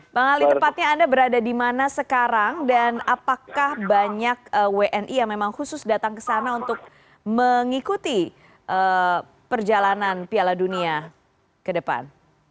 bang ali tepatnya anda berada di mana sekarang dan apakah banyak wni yang memang khusus datang ke sana untuk mengikuti perjalanan piala dunia ke depan